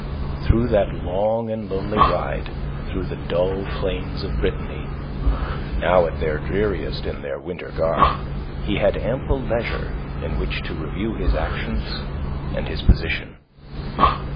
Through that long and lonely ride through the dull plains of Brittany, now at their dreariest in their winter garb, he had ample leisure in which to review his actions and his position.